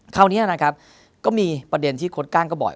คราวนี้นะครับก็มีประเด็นที่โค้ดก้างก็บ่อย